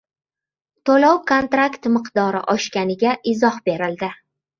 To‘lov-kontrakt miqdori oshganiga izoh berildi